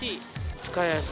使いやすい。